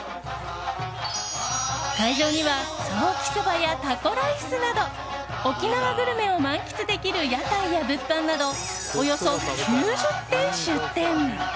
会場にはソーキそばやタコライスなど沖縄グルメを満喫できる屋台や物販などおよそ９０店出店。